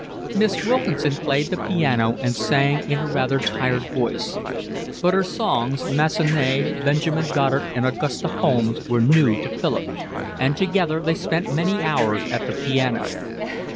Miss Wilkinson played the piano and sang in a rather tired voice; but her songs, Massenet, Benjamin Goddard, and Augusta Holmes, were new to Philip; and together they spent many hours at the piano.